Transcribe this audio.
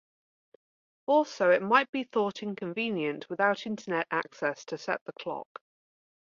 Also it might be thought inconvenient without Internet access to set the clock.